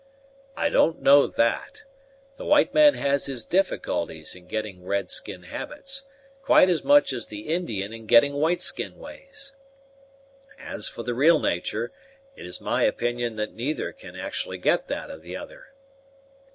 "I don't know that. The white man has his difficulties in getting red skin habits, quite as much as the Indian in getting white skin ways. As for the real natur', it is my opinion that neither can actually get that of the other."